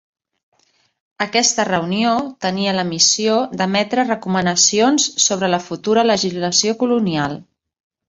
Aquesta reunió tenia la missió d'emetre recomanacions sobre la futura legislació colonial.